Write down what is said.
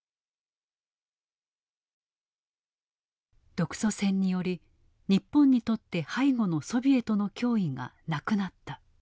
独ソ戦により日本にとって背後のソビエトの脅威がなくなった。